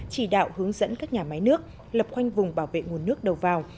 chỉ đạo hướng dẫn các nhà máy nước lập khoanh vùng bảo vệ nguồn nước đầu vào